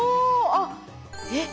あっえっ